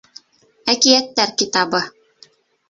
Әкиәттәр китабы